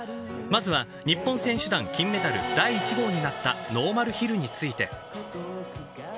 まずは、日本選手団金メダル第１号になったノーマルヒルについて。